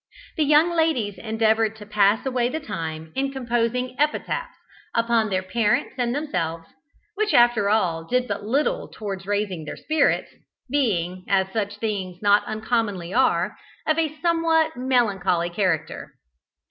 The young ladies endeavoured to pass away the time in composing epitaphs upon their parents and themselves, which after all did but little towards raising their spirits, being, as such things not uncommonly are, of a somewhat melancholy character.